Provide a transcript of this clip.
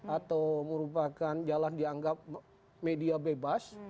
atau merupakan jalan dianggap media bebas